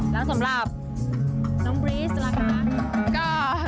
แล้วสำหรับน้องบรีสล่ะคะ